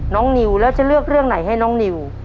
นิวแล้วจะเลือกเรื่องไหนให้น้องนิว